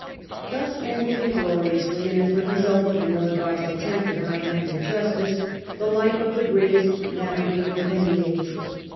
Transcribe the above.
Thus ended, ingloriously, and as the result of an ill advised attempt at liigh handed justice, tlie life of the greatest navigator of any age.